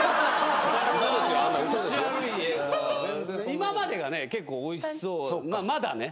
今までがね結構おいしそうまだね。